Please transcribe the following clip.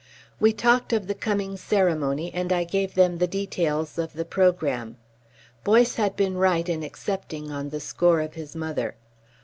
We talked of the coming ceremony and I gave them the details of the programme. Boyce had been right in accepting on the score of his mother.